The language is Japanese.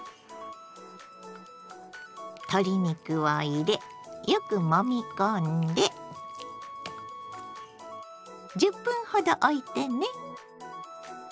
鶏肉を入れよくもみ込んで１０分ほどおいてね。